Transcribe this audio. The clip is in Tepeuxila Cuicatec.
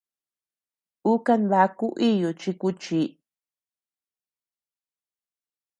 Uu kanbaku iyu chi kuchi.